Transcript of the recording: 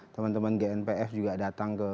teman teman gnpf juga datang ke